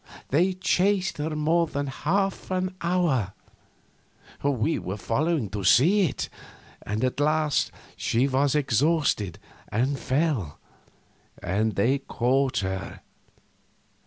They chased her more than half an hour, we following to see it, and at last she was exhausted and fell, and they caught her.